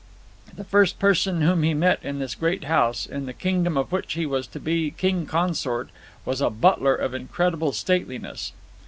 The first person whom he met in this great house, in the kingdom of which he was to be king consort, was a butler of incredible stateliness.